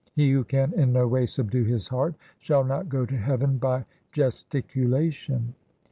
He who can in no way subdue his heart Shall not go to heaven by gesticulation.